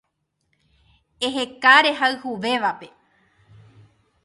Eheka rehayhuvévape